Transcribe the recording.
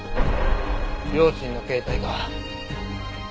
両親の携帯か？